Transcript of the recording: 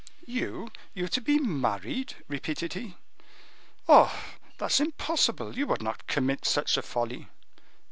"You! you to be married!" repeated he; "oh! that's impossible. You would not commit such a folly!"